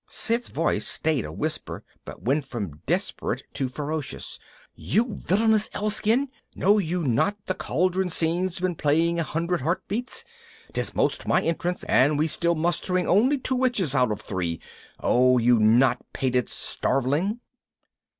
Sid's voice stayed a whisper but went from desperate to ferocious. "You villainous elf skin! Know you not the Cauldron Scene's been playing a hundred heartbeats? 'Tis 'most my entrance and we still mustering only two witches out of three! Oh, you nott pated starveling!"